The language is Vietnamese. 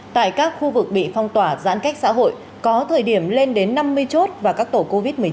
tại các khu vực bị phong tỏa giãn cách xã hội có thời điểm lên đến năm mươi chốt và các tổ covid một mươi chín